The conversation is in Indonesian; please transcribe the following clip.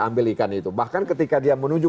ambil ikan itu bahkan ketika dia menuju